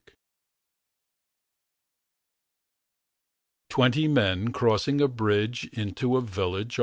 pdf Twenty men crossing a bridge. Into a village.